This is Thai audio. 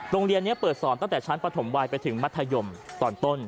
โรงเรียนนี้เปิดสอนตั้งแต่ชั้นปฐมวัยไปถึงมัธยมตอนต้น